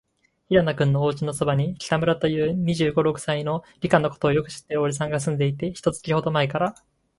平野君のおうちのそばに、北村という、二十五、六歳の、理科のことをよく知っているおじさんがすんでいて、一月ほどまえから、